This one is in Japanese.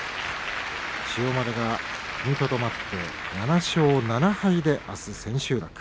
千代丸が踏みとどまって７勝７敗で、あす千秋楽。